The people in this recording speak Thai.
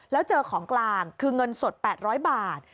แล้วเจอของกลางคือเงินสด๘๐๐บาท